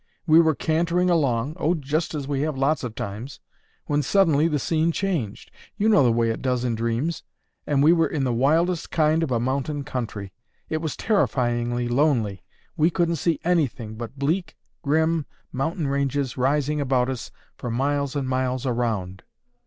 We were cantering along, oh, just as we have lots of times, when suddenly the scene changed—you know the way it does in dreams—and we were in the wildest kind of a mountain country. It was terrifyingly lonely. We couldn't see anything but bleak, grim mountain ranges rising about us for miles and miles around.